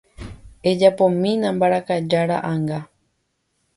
Ejapomína mbarakaja ra'ãnga.